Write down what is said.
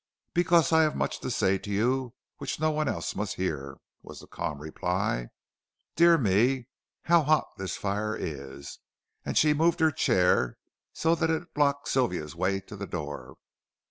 "Because I have much to say to you which no one else must hear," was the calm reply. "Dear me, how hot this fire is!" and she moved her chair so that it blocked Sylvia's way to the door.